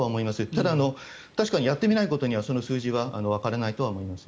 ただ、確かにやってみないことにはその数字はわからないとは思います。